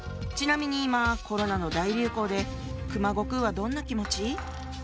ちなみに今コロナの大流行で熊悟空はどんな気持ち？